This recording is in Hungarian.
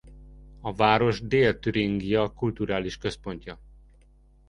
A város Dél-Türingia kulturális központja.